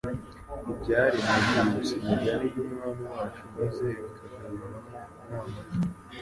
Ibyaremwe byibutsa imigani y'Umwami wacu maze bikabagaruramo inama ze.